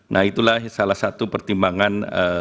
nah itulah salah satu pertimbangan